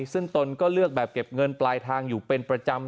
ซึ่งตนก็เลือกแบบเก็บเงินปลายทางอยู่เป็นประจำ